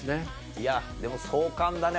いやでも壮観だね